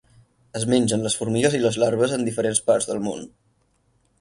Es mengen les formigues i les larves en diferents parts del món.